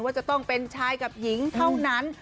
ว่าจะต้องเป็นชายกับหญิงเท่านั้น